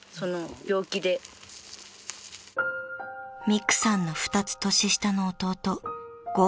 ［みくさんの２つ年下の］